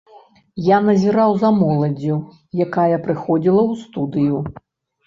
Я назіраў за моладдзю, якая прыходзіла ў студыю.